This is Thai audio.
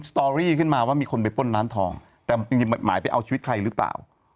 สตอรี่ขึ้นมาว่ามีคนไปป้นร้านทองแต่จริงหมายไปเอาชีวิตใครหรือเปล่า